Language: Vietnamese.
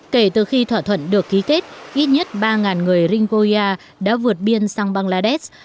kể từ khi thỏa thuận được ký kết ít nhất ba người ringgoya đã vượt biên sang bangladesh